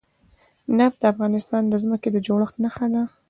نفت د افغانستان د ځمکې د جوړښت نښه ده.